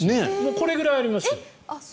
これぐらいありますよ。